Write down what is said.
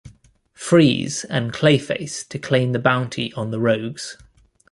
Freeze and Clayface to claim the bounty on the Rogues.